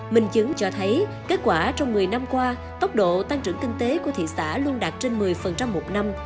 mình chứng cho thấy kết quả trong một mươi năm qua tốc độ tăng trưởng kinh tế của thị xã luôn đạt trên một mươi một năm